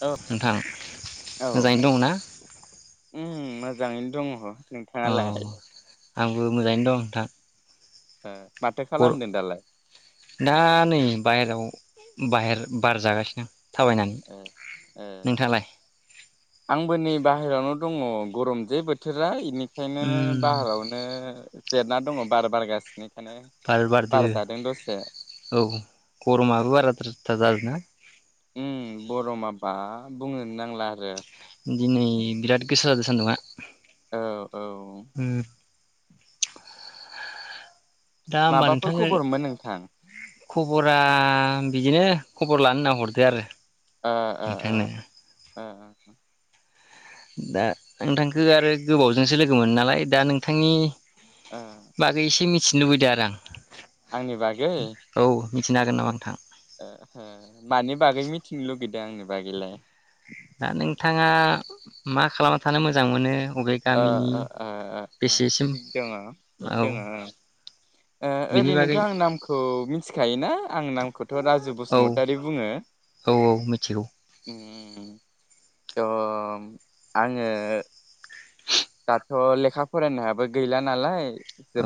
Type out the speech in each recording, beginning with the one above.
औ नोंथां मोजाङैनो दं ना? जाङैनो दङ। अ नोंथाङालाय आंबो मोजाङैनो दं नोंथां। ओं। ना नै बायहेरायाव। बाहेर बार जागासिनो। थाबायनानै ए ए नोंथाङालाय आंबो नै बाहेरायावनो दङ। गरम जे बोथोरा इनि खायनो उम बाहारावनो जेरना दङ बार बारगासि बार बारदो औ गरमाबो बाराद्राय थार जादो ना। उम ग'रमा बाफ बुंनोनो नांला आरो। दिनै बिराद गोसा जादों सान्दुंआ। औ औ उम। दा होमबा माबाफोर नोंथांङो खबरमोन नोंथां? खबरा आं बिदिनो खबर लानो होनना हरदो आरो। ओ ओ नोंथांनो ओ। दा नोंथांखो आरो गोबावजोंसो लोगो मोनो नालाय दा नोंथांनि ओ बागै एसे मि लुबैदो आरो आं। आंनि बागै। औ मिथिनो हागोन नामा नोंथां? ओ हो मानि बागै मिथिनो लुगैदों आंनि बागैलाय? दा नोंथाङा मा खालामना थानो मोजां मोनो? अबे ओ गामिनि ओ ओ ओ बेसेसिम थिग दङ थिग दङ औ ओ बेनि ओरैनोथ' बागै आं नामखौ मिथिखायोना आं नामखौथ' राजु औ बसुमतारी बुङो। औ औ मिथिगौ थ' आङो दाथ' लेखा फरायनायाबो गैला नालाय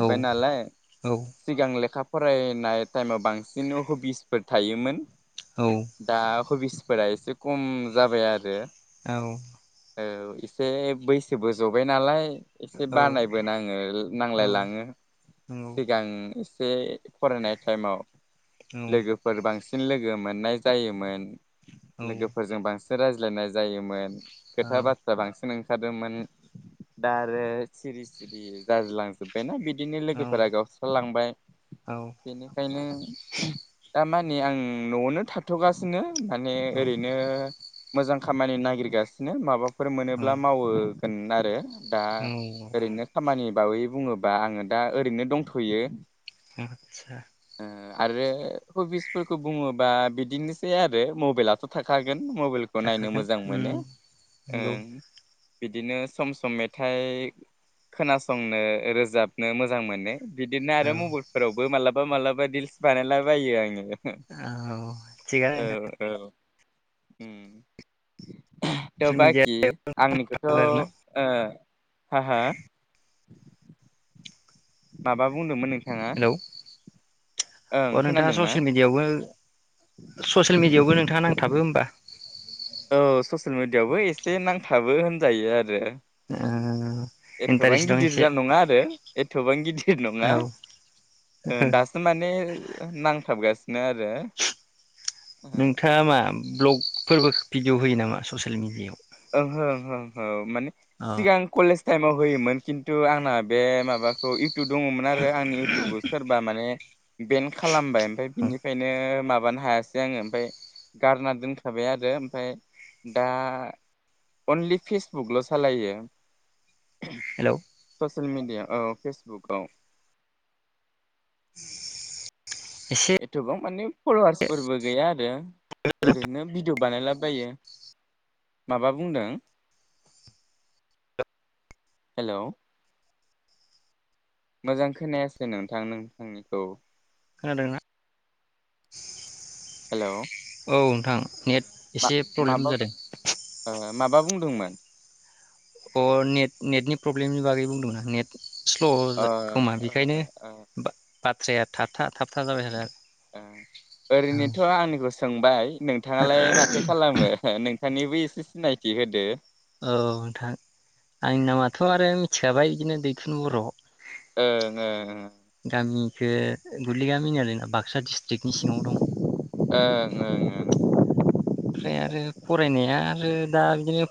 औ नालाय औ सिगां लेखा फरायनाय टाइमाव बांसिन हबिसफोर थायोमोन औ दा हबिस फोरा इसे कम जाबाय आरो औ औ इसे बैसोबो जबाय नालाय। इसे बानायबो नाङो औ नांलाय लाङो नंगौ सिगां इस से फरायनाय टाइमाव लोगोफोर बांसि फिन लोगो मोननाय जायोमोन। औ औ लोगोफोरजों बांसि रायज्लायनाय जायोमोन। खोथा बाथ्रा बांसिन ओं खारोमोन। दा आरो सिरि सिरि जारलां जोबायना बिद बिदिनो लोगोफोरा गावस्रा लांबाय औ बेनिखायनो दा मान नै आं न'आवनो थाथ'गासिनो। माने ओरैनो मोजां खामानि नागिरगासिनो माबाफ फोर मोनोब्ला मावो। गोन आरो। दा ओरैनो खामानि बावै बुङोबा आङो दा ओरैनो दंथ'यो। आदसा। ओ आरो हबिसफोरखौ बुङोबा बिदिनोसै आरो मबेलाथ' थाखागोन। मबेलखौ नायनो थाखागोन मोजां मोनो उम नंगौ ओं बिदिनो सम सम मेथाइ खोनासंनो रोजाबनो मोजां मोनो। बिदिनो औ आरो मबेलफोरावबो मालाब बा मालाबा रिल्स बानायला बायो आङो। औ थिगानो औ नोंथां औ। उम थ ससियेल मिडिया बाकि आंनिखौथ' ओ थाबो आरोना हा हा? माबा बुंदोमोन नों थाङा हेलौ अ नोंथाङा ससियेल मिडियावबो ससियेल मिडियायावबो नोंथाङा नांथाबो होमबा? औ ससियेल मिडियायावबो एसे नांथाबो होनजायो आरो ओ एफाबां इन्टारेस्ट दं एसे गिदिरजा नङा आरो एथबां गिदिर औ नङा दासो माने नांथाबगासि नो आरो ओहो नोंथाङा मा भ्लगफोरबो भिडिअ फोरबो होयो नामा ससेल मिडियाआव। ओहो होओ हो हो। माने अ सिगां कलेज टाइमाव होयोमोन खिन्थु आंना बे माबाखौ इउटुब दङमोन आरो आंनि इउटुबखौ सोरबा माने बेन्द खालामबाय। ओमफ्राय बिनिफ्रायनो मा माबानो हायासै आङो ओमफ्राय गारना दोनखाबाय आरो ओमफ्राय दा अनलि फेसबुकल' सालायो। हेलौ। ससियेल मिडिया औ फेसबुक औ। [unintelligible] एसे एथ'बां माने फल'वार्सफोरबो गैया आरो ओरैनो भिदिअ बानायला बायो माबा बुंदों हेलौ मोजां खोनायासै नोंथां नोंथांनिखौ। खोनादोंना? हेलौ। औ नोंथां नेट मा एसे प्रब्लेम माबा जादों ओ माबा बुंदोंमोन? अ नेट नेटनि प्रब्लेमनि बागै बुंदोंमोन आं नेट ओ स्ल' खोमा ओ बेखायनो ओ ओ बाथ बाथ्राया थाबथा थाबथा जाबाय थादों ओ आरो ओरैनोथ' आंनिखौ सोंबाय। नोंथाङालाय माथो खालामो नों? थांनिबो एसे सिनायखि होदो। औ नोंथां आंनि नामाथ' आरो मिथिखाबाय बिदिनो दैथुन बर'। ओ ओं। गामिखौ गुलि गामि बाख क्सा डिस्ट्रिक्टनि सिङाव दं। ओं ओं ओं ओमफ्राय आरो फरायनाया आरो दा बिदिनो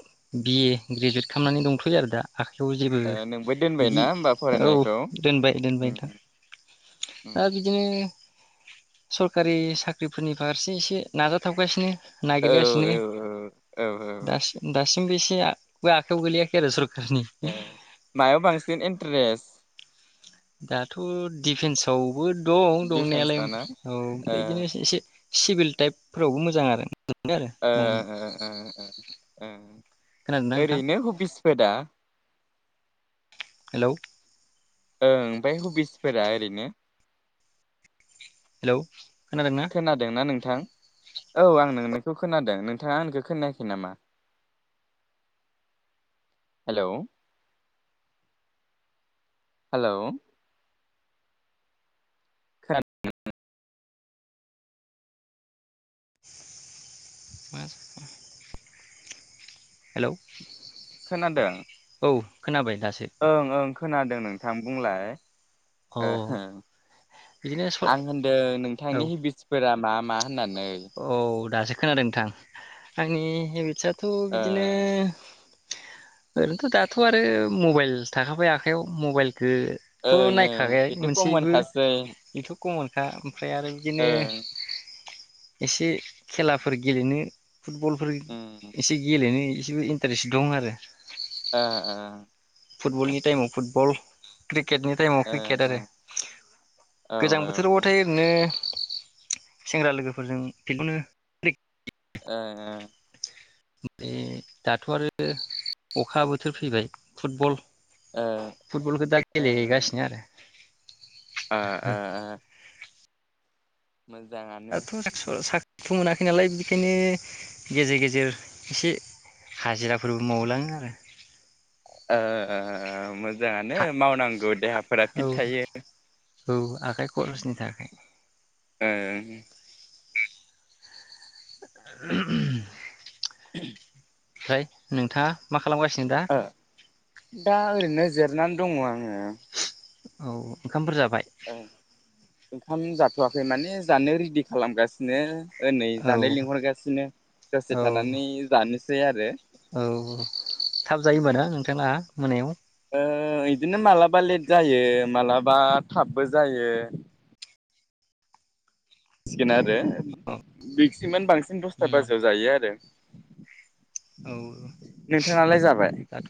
बि ए ग्रेजुवेट खालामनानै दंथ'यो आरो दा। आखाइयाव जेबो ओ नोंबो बिदि दोनबायना होमबा औ फरायनायखौ दोनबाय दोनबाय उम नोंथां उम दा बिदिनो सरखारि साख्रिफोरनि फारसे एसे नाजाथाबगासिनो औ नागिरगासिनो औ औ औ दासि दासि बो एसेबो आखायाव गोलैयाखै आरो सोर ओ मायाव बांसिन इन्टारेस्ट दाथ' दिफेन्सआव बो दं दंनायालाय औ दिफेन्सआव ना ओ ओमफ्राय बिदिनो एसे सिभिल टाइप फोरावबो मोजां आरो मोनो आरो ओ मावनो ओ खोनादोंना नोंथां ओरैनो हबिसफोर दा [unintelligible] ओं ओमफ्राय हबिसफोरा ओरैनो हेलौ खोनादोंना थां औ आं नोंनिखौ खोनादों नोंथाङा आंनिखौ खोनायाखै नामा हेलौ हेलौ [unintelligible] [unintelligible] हेलौ खोनादो औ खोनाबाय दासो ओं ओं खोनादों नों थां बुंलाय औ ओहो बिदिनो स औ आं होनदों नोंथांनि हेबिटसफोरा मा मा होननानै औ दासो खोनादों नोंथां आंनि हेबिटसआ थ ओ बिदिनो ओरैनोथ दाथ आरो मबाइल थाखाबाय आखाइयाव मबाइल थो थ' ओं नाय ओं खाबाय बेथ' कमन मोनसेबो खासै बेथ कमनखा ओमफ्राय आरो बिदिनो ओं एसे खेलाफोर गेलेनो फुटबलफोर उम एसे गेलेनो [unintelligible] इन्टारेस दं आरो ओ ओ फुटबलनि टाइमाव फुटबल क्रिकेट क्रिकेटनि टाइमाव ओ क्रिकेट आरो औ गोजां बोथोराबाथाय ओरैनो सेंग्रा लोगोफोरजों बिदिनो क्रिक ओ ओ ओमफ्राय दाथ' आरो अखा बोथोर फैबाय फुटबल ओ फुटबलखौ दा गेलेहैगासिनो आरो ओ ओ ओ मोजाङानो दाथ [unintelligible] थ मोनाखै नालाय बेखायनो गेजेर गेजेर एसे हाजिराफोरबो मावलाङो आरो ओ ओ मोज मोजाङानो मावनांगौ देहाफोरा औ फिट थायो औ आखाइ [unintelligible] ओं ओह ओहोम हम ओमफ्राय नोंथाङा माखा ओ दा ओरैनो जि जिरनानै दङ आङो औ ओंखामफोर जाबाय ओं ओंखाम जाथ जाथवाखै माने जानो रेडि खालामगासिनो योनै औ जानाय लिंहरगासिनो दसे औ थानानै जानोसै आरो औ थाब जायो होमबा ना नोंथांना मोनायाव ओ बिदिनो मालाबा लेट जायो माबलाबा थाबबो जायो आरो मेक्सिमान बांसिन दसथा बाजियाव जायो आरो औ नोंथाङालाय जाबाय दाथ'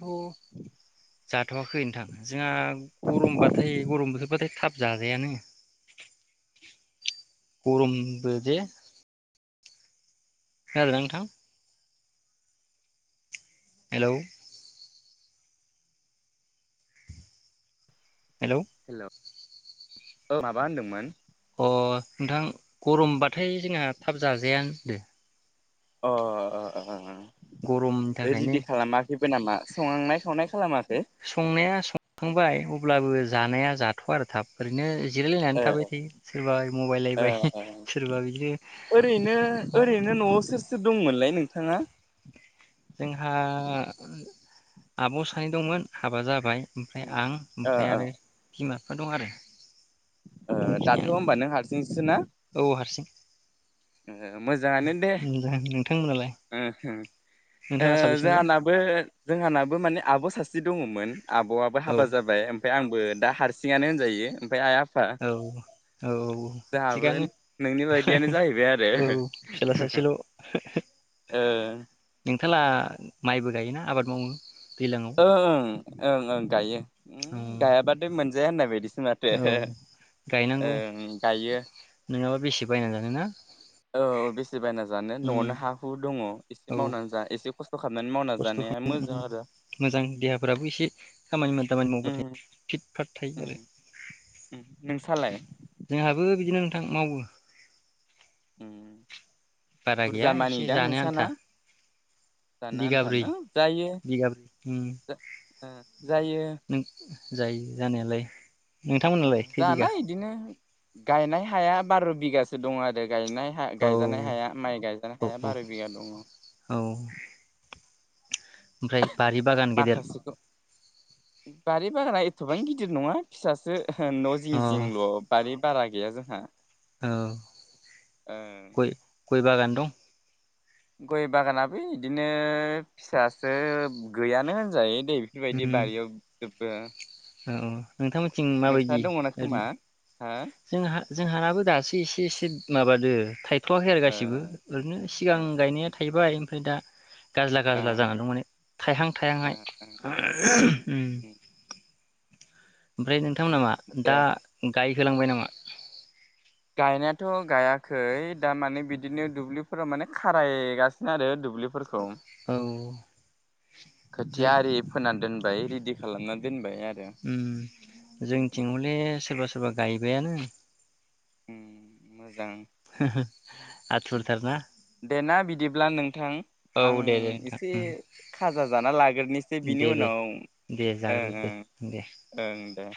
जाथ'वाखै नोंथां जोंहा गरमबाथाय गरम बोथोरबाथाय थाब जाजायानो गरमबो दे खोनादोंना नोंथां हेलौ हेलौ औ माबा होनदोंमोन? अ नोंथां गरमबाथाय जोंना थाब जाजायानो होनदो अ अ अ गरमनि थाखायनो रेडि खालामाखैबो नामा संनाय खावनाय खालामाखै संनाया संखांबाय अब्लाबो जानाया जाथ' आरो थाब ओरैनो इ जिरायलायनानै ओ थाबाय थायो सोरबा ओ मबाइलायबाय ओ सोरबा ओरैनो बिदिनो माबाय ओरैनो न'आव सोर सोर दंमोनलाय नोंथाङा जोंहा आब' सानै दंमोन हाबा जाबाय ओमफ्राय आं ओ ओमफ्राय ओ आरो बिमा दं आरो ओ दाथ' बेखिनियानो होमबा नों हारसिंससो ना? औ हारसिं। मोजाङानो दे नोंथांमोनालाय ओ नोंथाङा साबेसेमोनलाय जोंहानाबो जोंहानाबो माने आब' सासे दङमोन। आब'आबो औ हाबा जाबाय ओमफ्राय आं बो दा हारसिंयानो होनजायो आइ आफ औ औ जोंहाबो थिगानो। नोंनि बायदियानो जाहैबाय आरो औ फिसाला सासेल'। ओ खान्थाला माइबो गायोना आबाद मावो। दैलाङाव ओ ओ। ओं ओं गायो। उ गायाबाथाय मोन [unintelligible] होननाय बायदि। माथो औ गायनांगौ गायो नङाबा बेसे बायना जानो ना औ औ बेसे बायना जानो न'आवनो हा हु दङ एसे औ मावनानै जा एसे खस्थ'। खामानि मावना खस्थ' जानाया मोजां आरो। मोजां देहाफ्राबो एसे खामानि दामानि मावबा उम थायो फिट फाट थायो उम आरो। नोंसालाय? जोंहाबो बिदिनो नोंथां मावो। ओम। बारा गैया एसे जानो आन्था जानो आन्था बिगाब्रै ना जायो बिगाब्रै ओम। जा ओ जायो। जायो जानायालाय। ओ नोंथांमोनालाय खै जाना बिगा? इदिनो गायनाय हाया बार' बिगासो दं आरो। गायनाय औ गायजानाय हाया माइ गायजानाय औ हाया बार' बिघा दङ। औ ओमफ्राय। बारि बागान गेदेर। माखासेखौ बारि बागाना एथ'बां गिदिर नङा फिसासो। न' जिं अ जिंल' बारि। बारा गैया जोंहा। औ ओं गय गयबागान दं? गय बागानाबो इदिनो फिससो गैयानो होनजायो। नोय बेफोरबायदि दं बारियाव [unintelligible] औ औ। नोंथांमोनथिं नोंस्रा माबायदि दङना खोमा ओरैनो हो जोंहा जोंहानाबो दासो एसे एसे। माबादो थायदो। थवाखै आरो ओ गासिबो ओरैनो ओ सिगां गायनाया थाहैबाय ओमफ्राय दा गाज्ला ओ गाज्ला जानानै दं माने थायहां ओ थायहांहाय। ओ ओमफ्राय नोंथांमोना मा दे दा गाय होलांबाय नामा? गायनायाथ' गायाखै दामाने बिदिनो दुब्लिफोराव माने खारायगासिनो आरो दुब्लिफोरखौ। खौ औ जों खोथिया आरि फोनानै दोन बाय रेडि खालामना दोनबाय। आरो उम उम जोंथिंहले सोरबा सोरबा गायबायानो। जां उम आथुरथारना दे ना बिदिब्ला नोंथां औ आं दे दे नोंथां एसे उम खाजा जाना लाग्रोनिसै दे बिनि दे उनाव दे ओं जाग्रो दे ओं दे ओं दे।